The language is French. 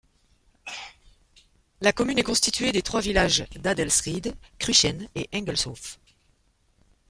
La commune est constituée des trois villages d'Adelsried, Kruichen et Engelshof.